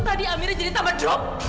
tadi amerika jadi tambah drop